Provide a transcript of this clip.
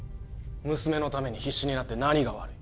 娘のために必死になって何が悪い？